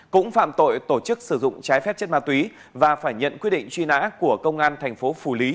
cũng phạm tội tổ chức sử dụng trái phép chất ma túy và phải nhận quyết định truy nã của công an tp phù lý